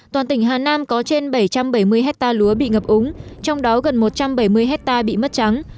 toàn tỉnh hà nam có trên bảy trăm bảy mươi hectare lúa bị ngập úng trong đó gần một trăm bảy mươi hectare bị mất trắng